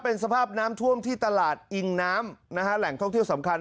เป็นสภาพน้ำท่วมที่ตลาดอิงน้ำนะฮะแหล่งท่องเที่ยวสำคัญ